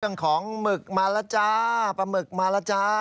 ของหมึกมาแล้วจ้าปลาหมึกมาแล้วจ้า